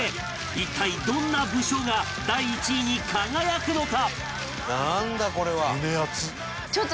一体どんな武将が第１位に輝くのか？